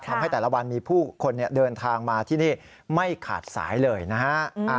ทำให้แต่ละวันมีผู้คนเดินทางมาที่นี่ไม่ขาดสายเลยนะฮะ